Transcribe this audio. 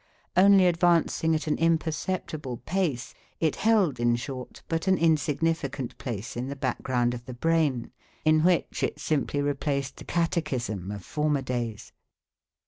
Only advancing at an imperceptible pace, it held, in short, but an insignificant place in the background of the brain, in which it simply replaced the catechism of former days.